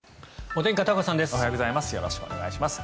おはようございます。